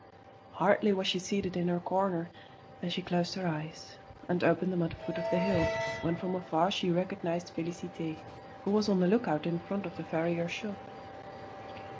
Hardly was she seated in her corner than she closed her eyes, and opened them at the foot of the hill, when from afar she recognised Félicité, who was on the lookout in front of the farrier's shop.